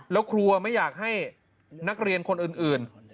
แล้วครัวไม่อยากให้นักเรียนคนอื่น